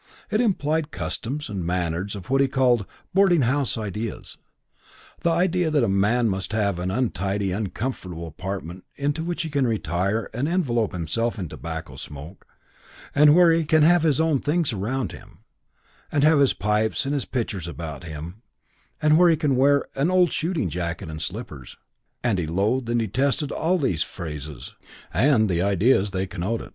It implied customs and manners of what he called "boarding house ideas", the idea that a man must have an untidily comfortable apartment into which he can retire and envelop himself in tobacco smoke, and where he "can have his own things around him", and "have his pipes and his pictures about him", and where he can wear "an old shooting jacket and slippers", and he loathed and detested all these phrases and the ideas they connoted.